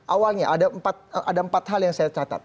awalnya ada empat hal yang saya catat